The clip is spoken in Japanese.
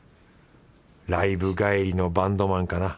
ライブ帰りのバンドマンかな？